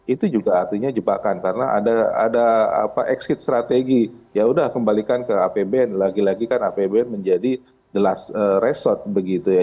itu juga artinya jebakan karena ada exit strategi yaudah kembalikan ke apbn lagi lagi kan apbn menjadi the last resort begitu ya